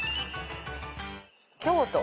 京都。